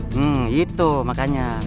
hmm itu makanya